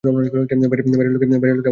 বাইরের লোকে আমার মামাকে কেউ চেনেই না।